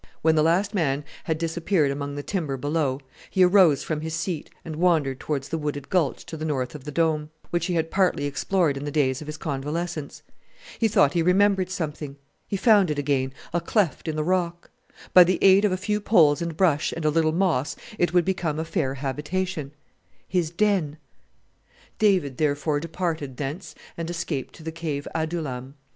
When the last man had disappeared among the timber below, he arose from his seat and wandered towards the wooded gulch to the north of the Dome, which he had partly explored in the days of his convalescence. He thought he remembered something. He found it again a cleft in the rock. By the aid of a few poles and brush and a little moss it would become a fair habitation, his den! "David therefore departed thence and escaped to the Cave Adullam